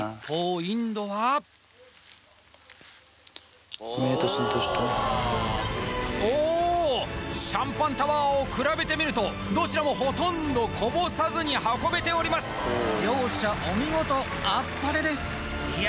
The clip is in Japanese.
インドはおおシャンパンタワーを比べてみるとどちらもほとんどこぼさずに運べております両者お見事あっぱれですいや